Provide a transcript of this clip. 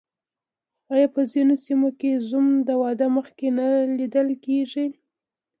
آیا په ځینو سیمو کې زوم د واده مخکې نه لیدل کیږي؟